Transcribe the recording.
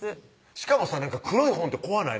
しかもさ黒い本って怖ない？